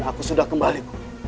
aku sudah kembali